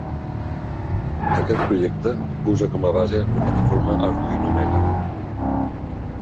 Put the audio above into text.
Aquest projecte usa com a base la plataforma Arduino Mega.